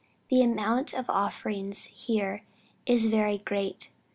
The amount of offerings here is very great.